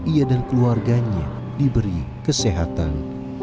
ia dan keluarganya diberi kesehatan